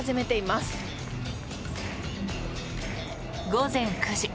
午前９時。